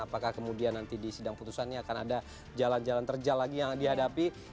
apakah kemudian nanti di sidang putusannya akan ada jalan jalan terjal lagi yang dihadapi